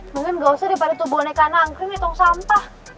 mungkin gak usah daripada tuh boneka nangkri menitong sampah